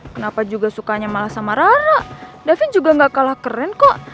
kenapa juga sukanya malah sama rara davin juga gak kalah keren kok